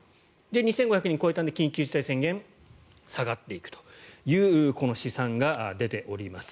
２５００人を超えたので緊急事態宣言で下がっていくという試算が出ております。